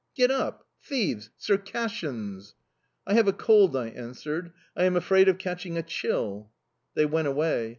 "Get up! Thieves!... Circassians!"... "I have a cold," I answered. "I am afraid of catching a chill." They went away.